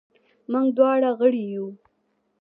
موږ دواړه غړي وو.